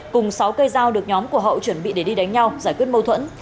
cùng sáu cây dao được nhóm của hậu chuẩn bị để đi đánh nhau giải quyết mâu thuẫn